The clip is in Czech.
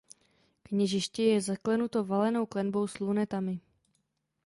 Kněžiště je zaklenuto valenou klenbou s lunetami.